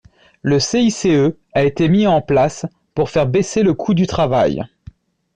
Le CICE a été mis en place pour faire baisser le coût du travail.